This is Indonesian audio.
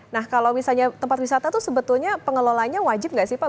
nah kalau misalnya tempat wisata itu sebetulnya pengelolanya wajib nggak sih pak